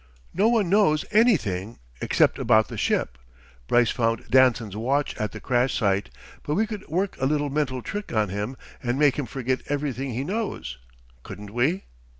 No one knows anything, except about the ship. Brice found Danson's watch at the crash site, but we could work a little mental trick on him and make him forget everything he knows, couldn't we?"